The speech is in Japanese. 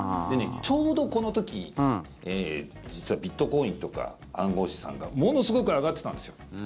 ちょうどこの時実はビットコインとか暗号資産がものすごく上がってたんですよ。